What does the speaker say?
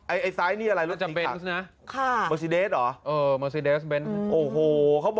ไอ้ซ้ายนี่อะไรรถนี้ค่ะ